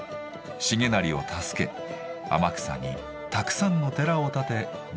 重成を助け天草にたくさんの寺を建て仏教を広めました。